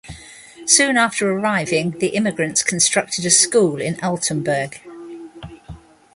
Soon after arriving, the immigrants constructed a school in Altenburg.